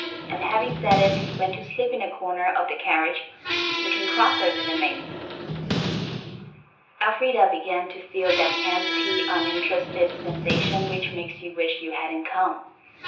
And, having said it, went to sleep in a corner of the carriage looking crosser than the maids. Elfrida began to feel that empty, uninterested sensation which makes you wish you hadn't come.